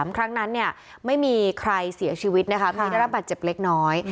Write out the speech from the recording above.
ครั้งนั้นไม่มีใครเสียชีวิตนะคะมีได้รับบาดเจ็บเล็กน้อย